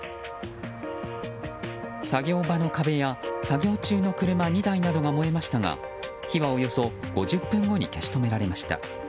作業場の壁や作業中の車２台などが燃えましたが火はおよそ５０分後に消し止められました。